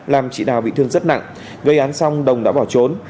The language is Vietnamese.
làm chị đào bị thương rất nặng gây án xong đồng đã bỏ trốn